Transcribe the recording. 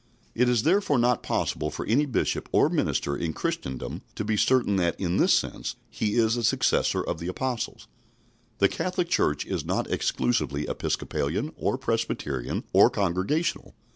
It is therefore not possible for any bishop or minister in Christendom to be certain that, in this sense, he is a successor of the Apostles. The Catholic Church is not exclusively Episcopalian or Presbyterian or Congregational.